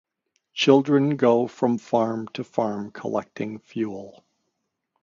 Children go from farm to farm collecting fuel.